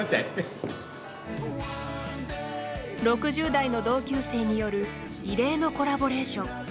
６０代の同級生による異例のコラボレーション。